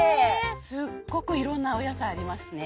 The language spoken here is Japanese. すっごくいろんな野菜ありますね。